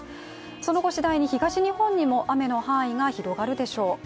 その後、しだいに東日本にも雨の範囲が広がるでしょう。